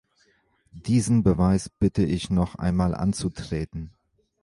Diesen Beweis bitte ich noch einmal anzutreten.